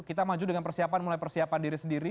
kita maju dengan persiapan mulai persiapan diri sendiri